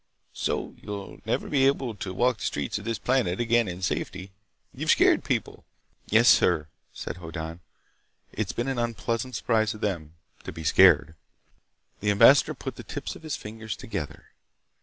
So you'll never be able to walk the streets of this planet again in safety. You've scared people." "Yes, sir," said Hoddan. "It's been an unpleasant surprise to them, to be scared." The ambassador put the tips of his fingers together.